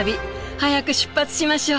早く出発しましょう！